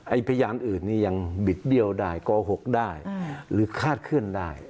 พยานอื่นนี่ยังบิดเบี้ยวได้โกหกได้หรือคาดเคลื่อนได้